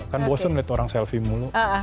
kan bosan liat orang selfie mulu